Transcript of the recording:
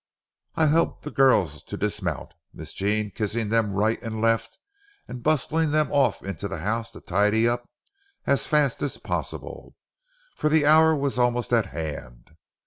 I helped the girls to dismount, Miss Jean kissing them right and left, and bustling them off into the house to tidy up as fast as possible; for the hour was almost at hand.